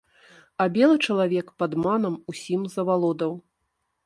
А белы чалавек падманам усім завалодаў.